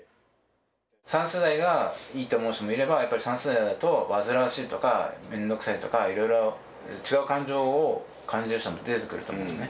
３世代がいいと思う人もいればやっぱり３世代だと煩わしいとか面倒くさいとかいろいろ違う感情を感じる人も出てくると思うのね。